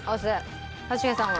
一茂さんは？